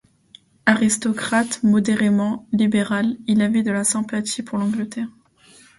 Aristocrate modérément libéral, il avait de la sympathie pour l'Angleterre.